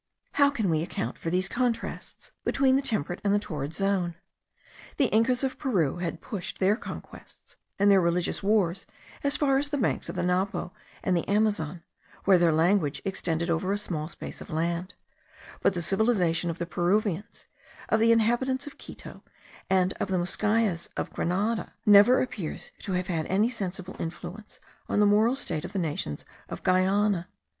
How can we account for these contrasts between the temperate and the torrid zone? The Incas of Peru had pushed their conquests and their religious wars as far as the banks of the Napo and the Amazon, where their language extended over a small space of land; but the civilization of the Peruvians, of the inhabitants of Quito, and of the Muyscas of New Grenada, never appears to have had any sensible influence on the moral state of the nations of Guiana.